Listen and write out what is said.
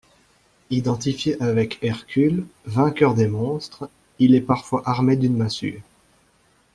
Identifié avec Hercule, vainqueur des monstres, il est parfois armé d'une massue.